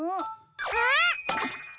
あっ！